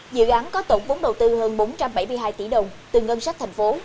dự án có tổng vốn đầu tư hơn bốn trăm bảy mươi hai tỷ đồng từ ngân sách thành phố